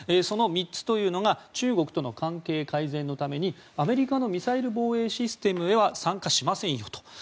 その３つというのが中国との関係改善のためにアメリカのミサイル防衛システムへは参加しませんよと。